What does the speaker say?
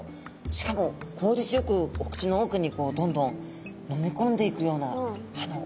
しかも効率よくお口のおくにどんどん飲み込んでいくような歯の形ですね。